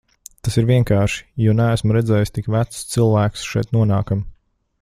Tas ir vienkārši, jo neesmu redzējusi tik vecus cilvēkus šeit nonākam.